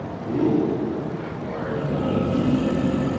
"Who?" inquired Paul.